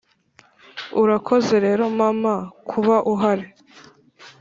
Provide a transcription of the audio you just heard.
urakoze rero mama, kuba uhari